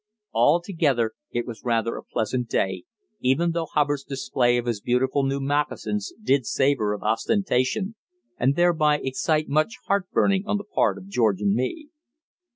Altogether it was rather a pleasant day, even though Hubbard's display of his beautiful new moccasins did savour of ostentation and thereby excite much heartburning on the part of George and me.